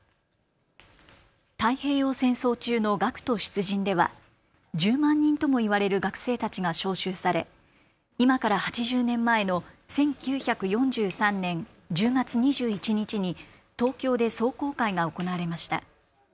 太平洋戦争中の学徒出陣では１０万人ともいわれる学生たちが召集され今から８０年前の１９４３年１０月２１日に東京で壮行会が行われました。